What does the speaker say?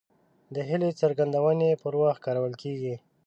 د هیلې څرګندونې پر وخت کارول کیږي.